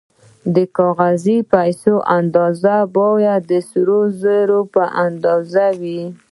د کاغذي پیسو اندازه باید د سرو زرو په اندازه وي